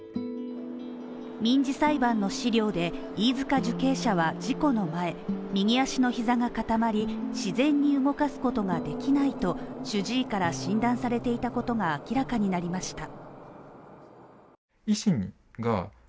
民事裁判の資料で、飯塚受刑者は事故の前、右足の膝が固まり自然に動かすことができないと主治医から診断されていたことが明らかになりました。